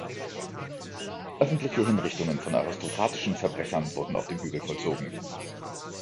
Öffentliche Hinrichtungen von aristokratischen Verbrechern wurden auf dem Hügel vollzogen.